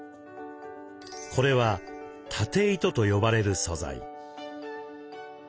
これは「経糸」と呼ばれる素材。